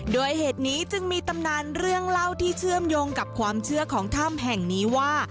โดยเหตุนี้จึงมีตำนานเรื่องเล่าที่เชื่อมโยงกับความเชื่อของถ้ำแห่งนี้ว่า